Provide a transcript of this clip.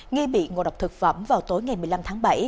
nghi bị ngộ độc thực phẩm vào tối ngày một mươi năm tháng bảy